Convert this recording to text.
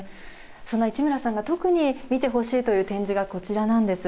そんな市村さんが特に見てほしいという展示がこちらなんです。